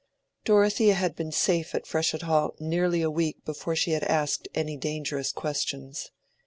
Dorothea had been safe at Freshitt Hall nearly a week before she had asked any dangerous questions.